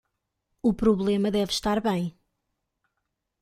O problema deve estar bem